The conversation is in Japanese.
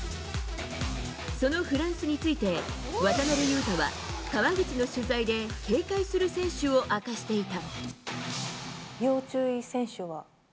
そのフランスについて渡邊雄太は川口の取材で警戒する選手を明かしていた。